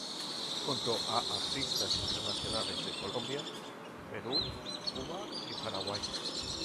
Junto a artistas internacionales de Colombia, Perú, Cuba y Paraguay.